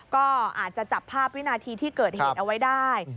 ก็อาจจะจับภาพวินาทีที่เกิดเหตุเอาไว้ได้